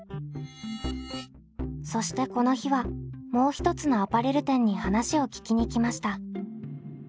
そしてこの日はもう一つのアパレル店に話を聞きに来ました。